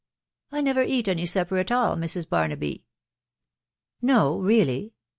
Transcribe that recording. " I never eat any supper at all, Mrs. Barnaby." " No, really ?